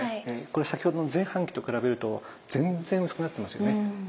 これ先ほどの前半期と比べると全然薄くなってますよね。